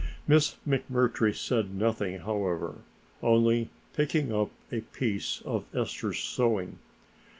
Miss McMurtry said nothing, however, only picking up a piece of Ester's sewing.